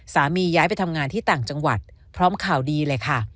ย้ายไปทำงานที่ต่างจังหวัดพร้อมข่าวดีเลยค่ะ